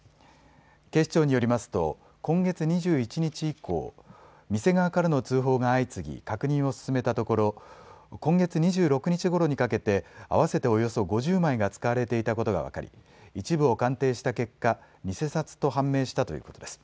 警視庁によりますと今月２１日以降、店側からの通報が相次ぎ確認を進めたところ今月２６日ごろにかけて合わせておよそ５０枚が使われていたことが分かり一部を鑑定した結果、偽札と判明したということです。